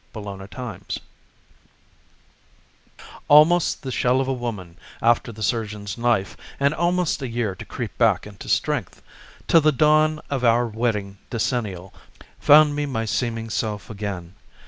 Pauline Barrett Almost the shell of a woman after the surgeon's knife And almost a year to creep back into strength, Till the dawn of our wedding decennial Found me my seeming self again.